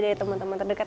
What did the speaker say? dari teman teman terdekat